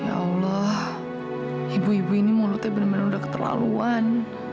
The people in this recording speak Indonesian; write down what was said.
ya allah ibu ibu ini mulutnya benar benar udah keterlaluan